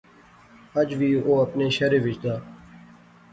اج وی او اپنے شہرے وچ دا